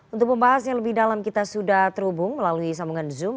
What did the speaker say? untuk pembahas yang lebih dalam kita sudah terhubung melalui sambungan zoom